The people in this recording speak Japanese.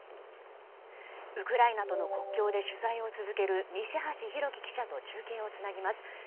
ウクライナとの国境で取材を続ける西橋拓輝記者と中継をつなぎます。